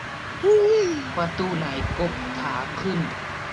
ประตูไหน กบถามขึ้น